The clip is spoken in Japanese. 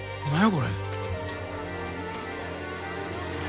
これ。